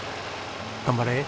頑張れ。